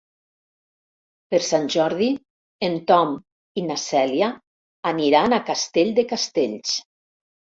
Per Sant Jordi en Tom i na Cèlia aniran a Castell de Castells.